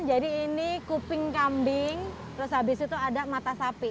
jadi ini kuping kambing terus habis itu ada mata sapi